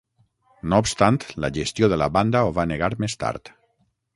No obstant, la gestió de la banda ho va negar més tard.